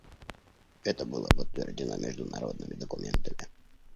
Это было подтверждено международными документами.